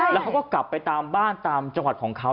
แล้วเขาก็กลับไปตามบ้านตามจังหวัดของเขา